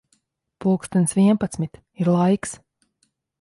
Pulkstens vienpadsmit. Ir laiks.